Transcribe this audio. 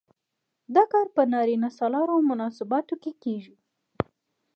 دا کار په نارینه سالارو مناسباتو کې کیږي.